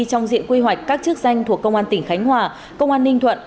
trong diện quy hoạch các chức danh thuộc công an tỉnh khánh hòa công an ninh thuận